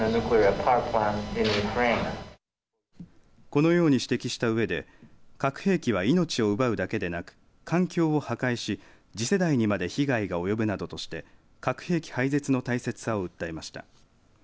このように指摘したうえで核兵器は命を奪うだけでなく環境を破壊し、次世代にまで被害が及ぶなどとして核兵器廃絶の大切さを訴えました。